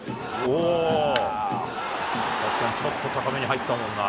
確かにちょっと高めに入ったもんな。